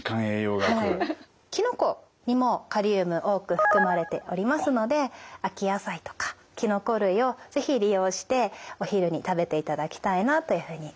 きのこにもカリウム多く含まれておりますので秋野菜とかきのこ類を是非利用してお昼に食べていただきたいなというふうに思っています。